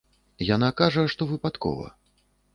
Яна кажа, што выпадкова.